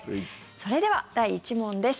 それでは第１問です。